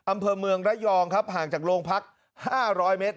อำเภอเมืองระยองครับห่างจากโรงพัก๕๐๐เมตร